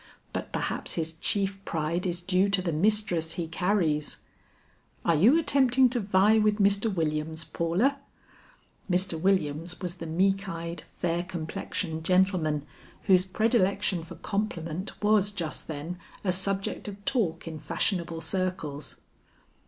But perhaps his chief pride is due to the mistress he carries." "Are you attempting to vie with Mr. Williams, Paula?" Mr. Williams was the meek eyed, fair complexioned gentleman, whose predilection for compliment was just then a subject of talk in fashionable circles.